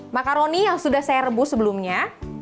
makaroni yang sudah saya rebus sebelumnya